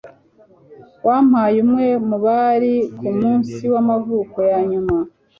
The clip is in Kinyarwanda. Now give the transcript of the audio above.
Wampaye umwe mubari kumunsi wamavuko yanyuma.